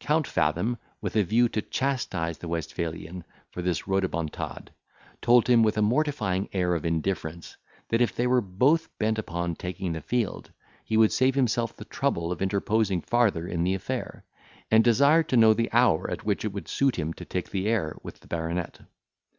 Count Fathom, with a view to chastise the Westphalian for this rhodomontade, told him, with a mortifying air of indifference, that if they were both bent upon taking the field, he would save himself the trouble of interposing farther in the affair; and desired to know the hour at which it would suit him to take the air with the baronet.